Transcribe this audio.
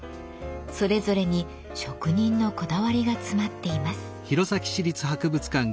それぞれに職人のこだわりが詰まっています。